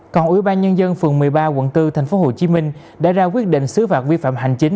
còn ủy ban nhân dân phường một mươi ba quận bốn tp hcm đã ra quyết định xứ phạt vi phạm hành chính